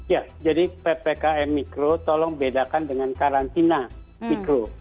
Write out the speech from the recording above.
ya jadi ppkm mikro tolong bedakan dengan karantina mikro